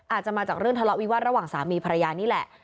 อาจจะมาจากเรื่องทะเลาะวิวาสระหว่างสามีภรรยานี่แหละ